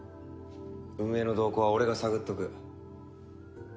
運営の動向は俺が探っとく。